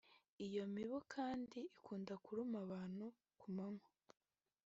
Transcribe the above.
Iyo mibu kandi ikunda kuruma abantu ku manywa